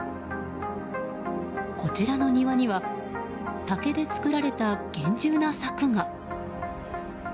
こちらの庭には竹で作られた厳重な柵が。